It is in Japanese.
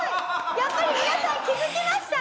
やっぱり皆さん気付きましたね？